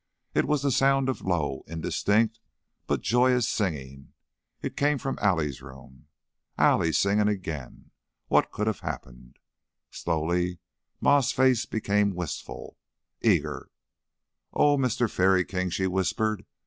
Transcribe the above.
It was the sound of low, indistinct, but joyous singing; it came from Allie's room. Allie singing again! What could have happened? Slowly Ma's face became wistful, eager. "Oh, Mister Fairy King!" she whispered.